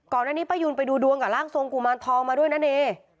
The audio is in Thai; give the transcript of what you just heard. อันนี้ป้ายูนไปดูดวงกับร่างทรงกุมารทองมาด้วยนะเน